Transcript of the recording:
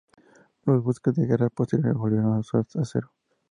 Los buques de guerra posteriores volvieron a usar acero.